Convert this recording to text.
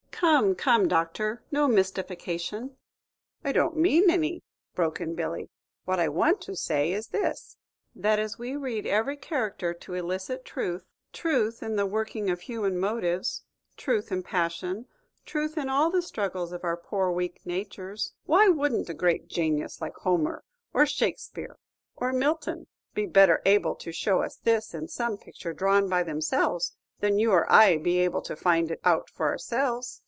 "Come, come, Doctor, no mystification." "I don't mean any," broke in Billy. "What I want to say is this, that as we read every character to elicit truth, truth in the working of human motives, truth in passion, truth in all the struggles of our poor weak natures, why would n't a great janius like Homer, or Shakspeare, or Milton, be better able to show us this in some picture drawn by themselves, than you or I be able to find it out for ourselves?"